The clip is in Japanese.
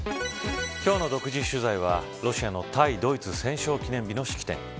今日の独自取材はロシアの対ドイツ戦勝記念日の式典。